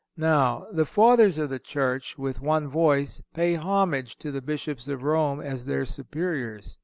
Now, the Fathers of the Church, with one voice, pay homage to the Bishops of Rome as their superiors.